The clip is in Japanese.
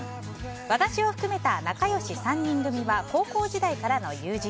私を含めた仲良し３人組は高校時代からの友人。